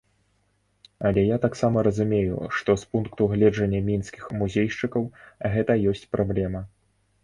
Але я таксама разумею, што з пункту гледжання мінскіх музейшчыкаў гэта ёсць праблема.